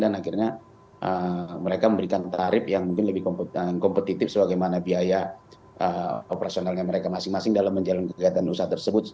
dan akhirnya mereka memberikan tarif yang mungkin lebih kompetitif sebagaimana biaya operasionalnya mereka masing masing dalam menjalankan kegiatan usaha tersebut